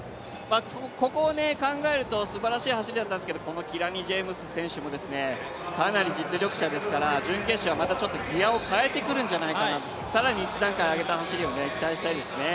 ここを考えるとすばらしい走りだったんですけど、このキラニ・ジェームズ選手もかなり実力者ですから準決勝はギアを変えてくるんじゃないかな、更に１段階上げた走りを期待したいですね。